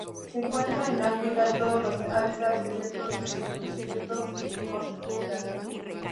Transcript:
Se encuentra en África, en todos los hábitats excepto en desiertos y bosques tropicales.